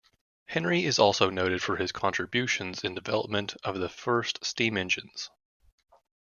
Henry is also noted for his contributions in development of the first steam engines.